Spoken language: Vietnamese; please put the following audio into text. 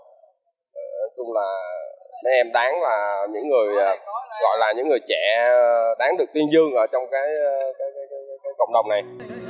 nói chung là mấy em đáng là những người gọi là những người trẻ đáng được tuyên dương ở trong cái cộng đồng này